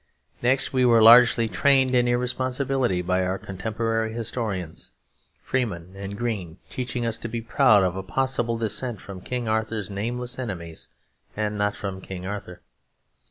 Next, we were largely trained in irresponsibility by our contemporary historians, Freeman and Green, teaching us to be proud of a possible descent from King Arthur's nameless enemies and not from King Arthur.